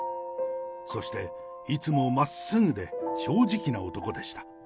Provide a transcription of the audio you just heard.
そして、いつも真っすぐで正直な男でした。